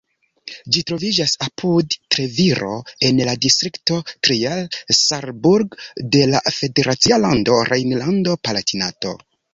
Ĝi troviĝas apud Treviro en la distrikto Trier-Saarburg de la federacia lando Rejnlando-Palatinato.